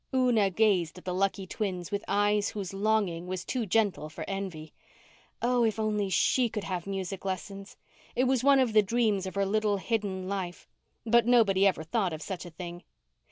Una gazed at the lucky twins with eyes whose longing was too gentle for envy. Oh, if she could only have music lessons! It was one of the dreams of her little hidden life. But nobody ever thought of such a thing.